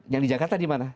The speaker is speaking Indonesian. yang di jakarta di mana